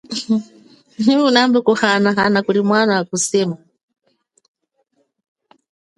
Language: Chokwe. Nyi unambe kuhana hana kulimwana wakusema.